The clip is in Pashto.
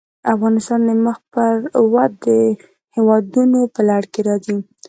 افغانستان د مخ پر ودې هېوادونو په لړ کې راځي.